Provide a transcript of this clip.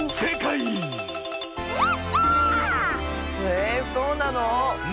えそうなの⁉